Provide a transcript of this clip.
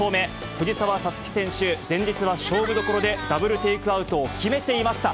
藤澤五月選手、前日は勝負どころでダブルテイクアウトを決めていました。